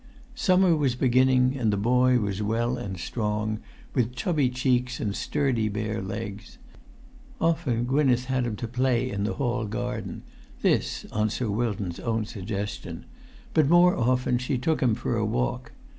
Summer was beginning, and the boy was well and strong, with chubby cheeks and sturdy bare legs. Often Gwynneth had him to play in the hall garden—this on Sir Wilton's own suggestion—but more often she took him for a walk.